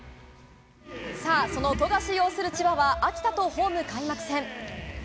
その富樫擁する千葉は秋田とホーム開幕戦。